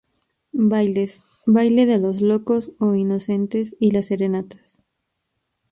Bailes: baile de los locos o inocentes y las serenatas.